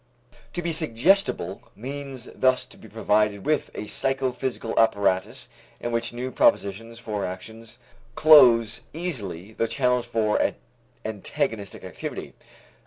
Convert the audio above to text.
To be suggestible means thus to be provided with a psychophysical apparatus in which new propositions for actions close easily the channels for antagonistic activity.